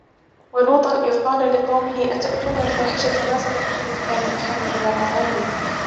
ولوطا إذ قال لقومه أتأتون الفاحشة ما سبقكم بها من أحد من العالمين